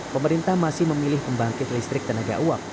pemerintah masih memilih pembangkit listrik tenaga uap